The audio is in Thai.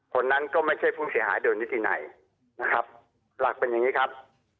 คนนั้นก็ไม่ใช่ผู้เสียหายโดยนิตินัยนะครับหลักเป็นอย่างนี้ครับ